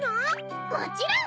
もちろん！